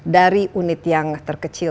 dari unit yang terkecil